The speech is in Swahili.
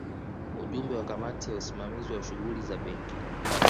Wajumbe wa Kamati ya Usimamizi wa Shughuli za Benki